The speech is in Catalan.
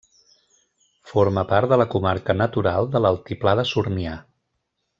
Forma part de la comarca natural de l'Altiplà de Sornià.